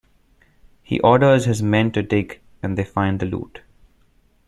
He orders his men to dig and they find the loot.